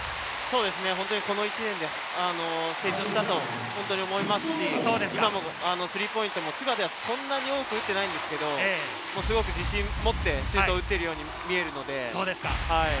この１年で成長したと本当に思いますし、今もスリーポイントを千葉ではそんなに多く打ってないんですけど、すごく自信をもってシュートを打っているように見えるので。